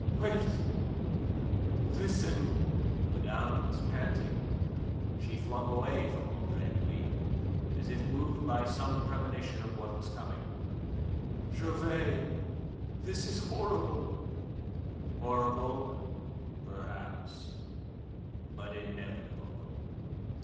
"Wait! Listen!" Madame was panting. She flung away from Andre Louis, as if moved by some premonition of what was coming. "Gervais! This is horrible!" "Horrible, perhaps, but inevitable.